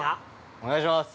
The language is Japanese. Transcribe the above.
◆お願いします。